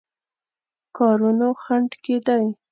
کارونو خنډ کېدی.